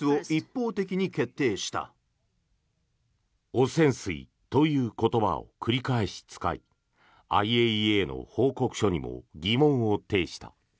汚染水という言葉を繰り返し使いＩＡＥＡの報告書にも疑問を呈した。